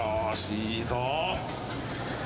いいぞ。